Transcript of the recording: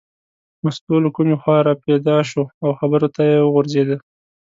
مستو له کومې خوا را پیدا شوه او خبرو ته ور وغورځېده.